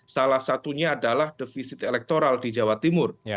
salah satunya adalah defisit elektoral di jawa timur